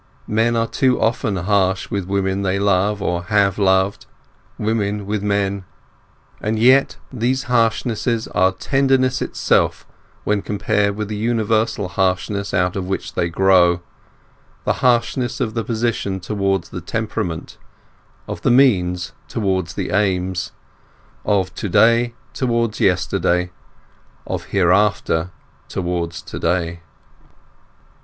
Men are too often harsh with women they love or have loved; women with men. And yet these harshnesses are tenderness itself when compared with the universal harshness out of which they grow; the harshness of the position towards the temperament, of the means towards the aims, of to day towards yesterday, of hereafter towards to day.